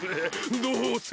どうする？